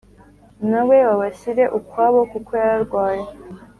na we babashyira ukwabo kuko yararwaye